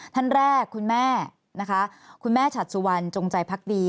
ท่านแรกคุณแม่คุณแม่ชัดสุวรรค์จงใจภักดี